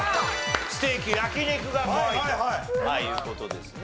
ステーキ焼肉が５位という事ですね。